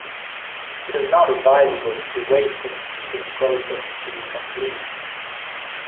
It is not advisable to wait for the teething process to be complete.